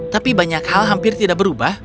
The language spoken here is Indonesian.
tapi banyak hal hampir tidak berubah